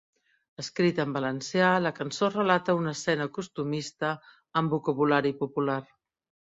Escrita en valencià, la cançó relata una escena costumista amb vocabulari popular.